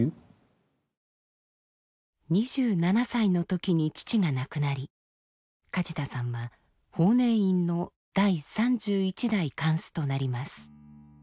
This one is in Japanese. ２７歳の時に父が亡くなり梶田さんは法然院の第３１代貫主となります。